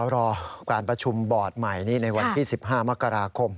รอการประชุมบอร์ดใหม่ในวันที่๑๕มกราคม